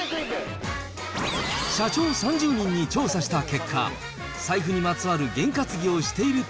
社長３０人に調査した結果、財布にまつわるゲン担ぎをしていると